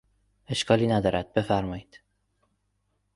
اشکالی ندارد، بفرمایید!